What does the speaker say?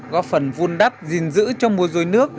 có phần vun đắp gìn giữ trong mùa rối nước